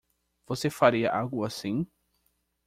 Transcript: Você faria algo assim?